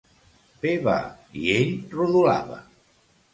Bé va; i ell rodolava.